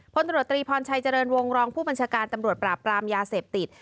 พลตรวจตรีพรชัยเจริญวงรองผู้บัญชาการตำรวจปราบปรามยาเสพติด